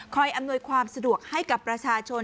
อำนวยความสะดวกให้กับประชาชน